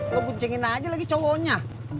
lo boncengin aja lagi cowoknya